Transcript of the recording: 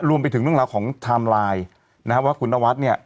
รวมไปถึงเรื่องราวของไทม์ไลน์นะครับว่าคุณนวัดเนี่ย